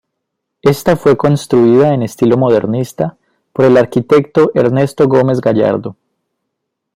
Esta fue construida en estilo modernista por el arquitecto Ernesto Gómez Gallardo.